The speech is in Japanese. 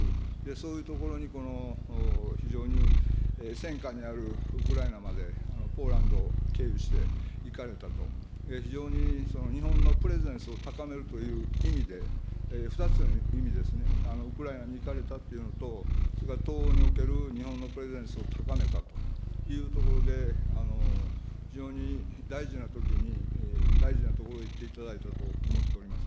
そういうところに非常に戦禍にあるウクライナまで、ポーランドを経由して行かれたと、非常に日本のプレゼンスを高めるという意味で、２つの意味ですね、ウクライナに行かれたというのと、それから東欧における日本のプレゼンスを高めたというところで、非常に大事なときに大事な所に行っていただいたと思っております。